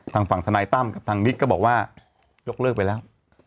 ทางฝั่งธนายตั้มกับทางนิกก็บอกว่ายกเลิกไปแล้ว